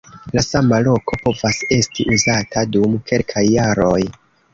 La sama loko povas esti uzata dum kelkaj jaroj.